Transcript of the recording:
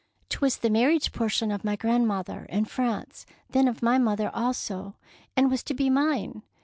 " ^T was the marriage portion of my grandmother in France, then of my mother also, and was to be mine.